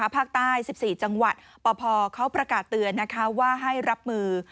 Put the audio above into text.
ภาคใต้๑๔จังหวัดปพเขาประกาศเตือนว่าให้รับมือ